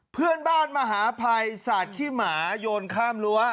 เพื่อนบ้านมหาภัยสาดขี้หมาโยนข้ามรั้ว